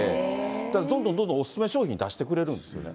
だからどんどんどんどんお勧め商品、出してくれるんですよね。